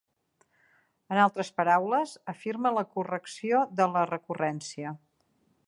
En altres paraules, afirma la correcció de la recurrència.